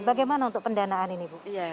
bagaimana untuk pendanaan ini bu